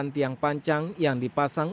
empat puluh delapan tiang panjang yang dipasang